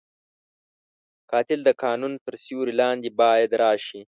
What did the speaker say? قاتل د قانون تر سیوري لاندې باید راشي